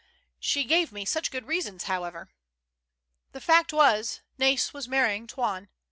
She gave me such good reasons, how ever." The fact was Nai's was marrying Toine.